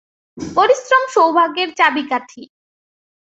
পরিশ্রম সৌভাগ্যের চাবিকাঠি।